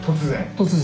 突然。